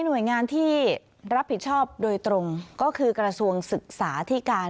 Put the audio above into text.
หน่วยงานที่รับผิดชอบโดยตรงก็คือกระทรวงศึกษาที่การ